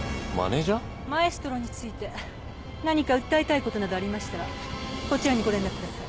マエストロについて何か訴えたいことなどありましたらこちらにご連絡ください。